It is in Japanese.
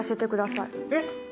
えっ！？